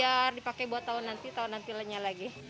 soalnya biar dipakai buat tahun nanti tahun nanti lainnya lagi